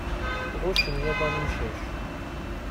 Ɣuccen yiḍan imcac.